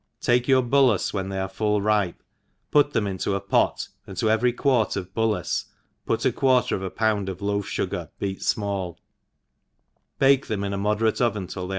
TAKE your bullacc when they arc full ripe^ put rhem into a pot, and to every quart of bal lace put a quarter of a pound of loaf ftigar beat fmall, bake them in a moderate oven till they